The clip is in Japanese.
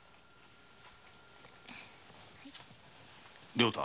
良太。